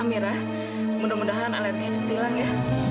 merah mudah mudahan alerginya cepat hilang ya